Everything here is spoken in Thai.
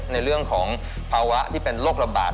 ในเรื่องของภาวะที่เป็นโรคระบาด